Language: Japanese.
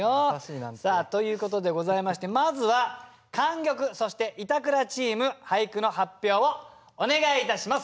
さあということでございましてまずは莟玉そして板倉チーム俳句の発表をお願いいたします。